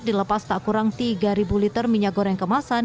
dilepas tak kurang tiga liter minyak goreng kemasan